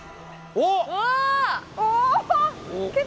おっ！